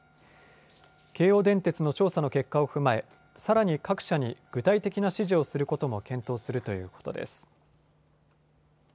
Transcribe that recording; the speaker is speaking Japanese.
京王電鉄の調査の結果を踏まえ、さらに各社に具体的な指示をすることも検討するということです。